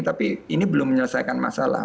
tapi ini belum menyelesaikan masalah